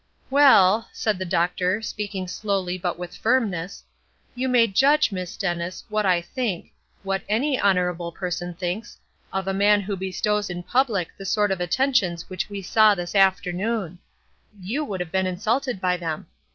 "Well," said the doctor, speaking slowly, but with firmness, "you may judge, Miss Dennis, what I think, what any honorable person thinks, of a man who bestows in public the sort of attentions which we saw this afternoon, You would have been insulted by them.